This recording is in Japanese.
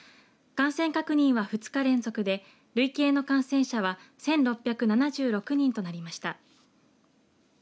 感染確認は２日連続で累計の感染者は１６７６人となりました。